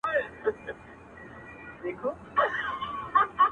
لا به مي څونه ژړوي د عمر توري ورځي!